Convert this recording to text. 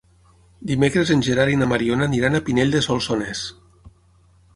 Dimecres en Gerard i na Mariona aniran a Pinell de Solsonès.